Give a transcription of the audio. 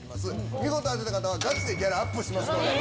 見事当てた方には、ガチでギャラアップしますので。